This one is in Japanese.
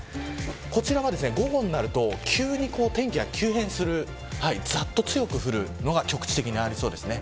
こちらは午後になると急に天気が急変するざっと強く降るのが局地的にありそうです。